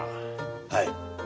はい。